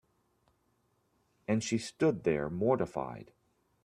And she stood there mortified.